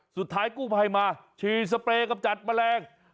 สุดท้ายกู้ภัยมาฉี่สเปรย์กำจัดแมลง